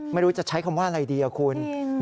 ไม่รู้จะใช้คำว่าอะไรดีคุณ